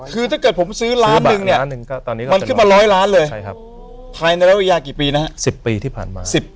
ไม่ใช่หนึ่งร้อยเปร